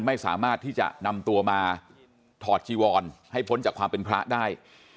ไม่สามารถที่จะนำตัวมาถอดจีวรให้พ้นจากความเป็นพระได้